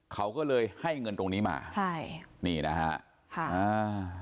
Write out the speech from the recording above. เขาก็เลยให้เงินตรงนี้มาใช่นี่นะฮะค่ะอ่า